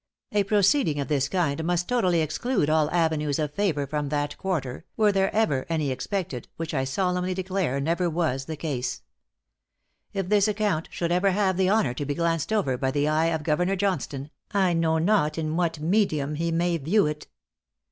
A proceeding of this kind must totally exclude all avenues of favor from that quarter, were there ever any expected, which I solemnly declare never was the case. If this account should ever have the honor to be glanced over by the eye of Governor Johnstone, I know not in what medium he may view it.